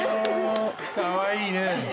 かわいいね。